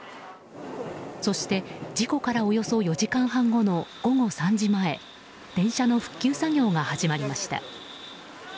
そして、事故からおよそ４時間半後の午後３時前電車の復旧作業が始まりました。